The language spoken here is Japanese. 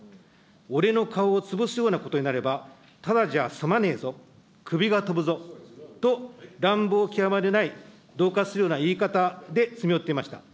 俺の顔を潰すようなことになれば、ただじゃ済まねえぞ、首が飛ぶぞと、乱暴極まりない、どう喝するような言い方で詰め寄っていました。